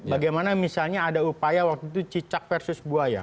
bagaimana misalnya ada upaya waktu itu cicak versus buaya